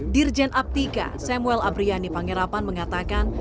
dirjen aptika samuel abriani pangerapan mengatakan